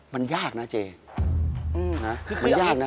มันยากนะเจมันยากนะ